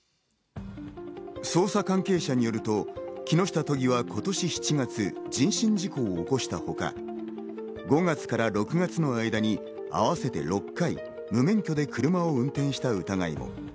捜査関係者によると木下都議は今年７月、人身事故を起こしたほか、５月から６月の間に合わせて６回、無免許で車を運転した疑いも。